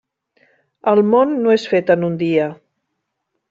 El món no és fet en un dia.